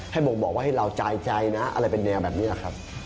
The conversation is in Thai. บ่งบอกว่าให้เราใจใจนะอะไรเป็นแนวแบบนี้ครับ